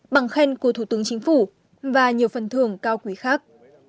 bằng khen của thủ tướng chính phủ và nhiều phần thường cao quý khác